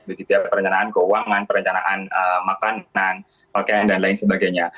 begitu ya perencanaan keuangan perencanaan makanan pakaian dan lain sebagainya